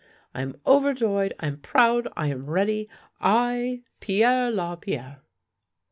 I am overjoyed, I am proud, I am ready, I, Pierre Lapierre!